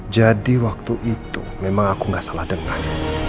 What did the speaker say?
jadi waktu itu memang aku gak salah dengar